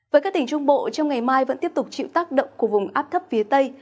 với các tỉnh trung bộ trong ngày mai vẫn tiếp tục chịu tác động của vùng áp thấp phía tây